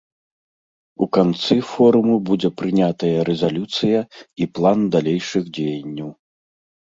У канцы форуму будзе прынятая рэзалюцыя і план далейшых дзеянняў.